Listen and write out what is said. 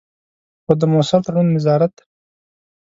خو د مؤثر تړون، نظارت.